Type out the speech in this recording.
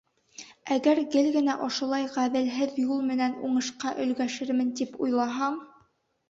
Әгәр гел генә ошолай ғәҙелһеҙ юл менән уңышҡа өлгәшермен тип уйлаһаң...